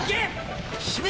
締め！